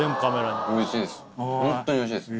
おいしいです